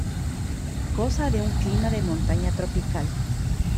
Goza de un clima de montaña tropical.